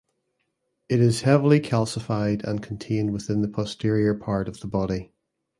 It is heavily calcified and contained within the posterior part of the body.